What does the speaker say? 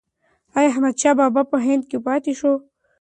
ایا احمدشاه بابا په هند کې پاتې شو؟